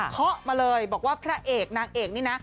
เขามาเลยบอกว่าพระเอกนางเอกนี่นะ